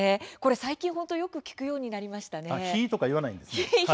最近、本当によく聞くようになりましたね。